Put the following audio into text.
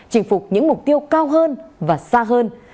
chinh phục những mục tiêu cao hơn và xa hơn